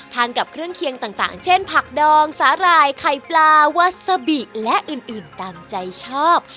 กับเครื่องเคียงต่างเช่นผักดองสาหร่ายไข่ปลาวาซาบิและอื่นตามใจชอบ